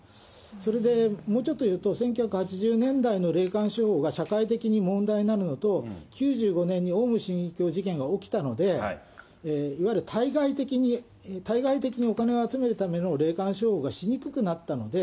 それで、もうちょっと言うと、１９８０年代の霊感商法が社会的に問題になるのと、９５年にオウム真理教事件が起きたので、いわゆる対外的に、対外的にお金を集めるための霊感商法がしにくくなったので、